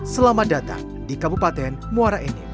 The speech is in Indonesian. selamat datang di kabupaten muara enim